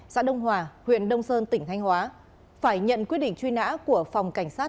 xã đông hòa huyện đông sơn tỉnh thanh hóa phải nhận quyết định truy nã của phòng cảnh sát